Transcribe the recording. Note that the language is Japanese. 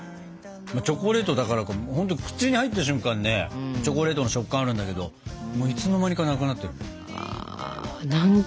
チョコレートだからかほんと口に入った瞬間ねチョコレートの食感あるんだけどもういつの間にかなくなってるね。